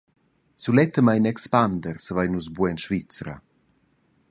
Sulettamein expander savein nus buca en Svizra.